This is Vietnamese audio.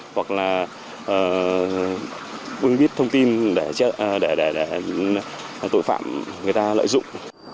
hoặc là không biết thông tin để tội phạm người ta lợi dụng